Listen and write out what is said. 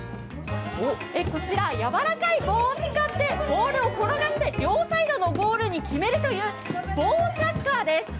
こちら、柔らかい棒を使って、ボールを転がして、両サイドのゴールに決めるという棒サッカーです。